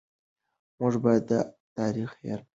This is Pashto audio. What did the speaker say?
موږ باید دا تاریخ هېر نه کړو.